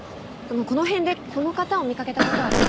この辺でこの方を見かけた事はありますか？